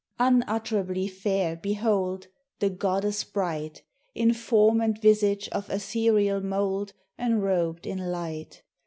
Unutterably fair, behold, The goddess bright! In form and visage of ethereal mould, Enrobed in light!